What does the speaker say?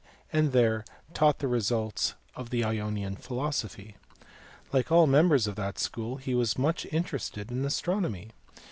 and there taught the results of the Ionian philosophy. Like all members of that school he was much interested in astronomy.